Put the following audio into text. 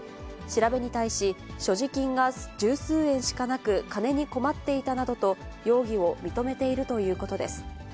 調べに対し、所持金が十数円しかなく、金に困っていたなどと容疑を認めているということです。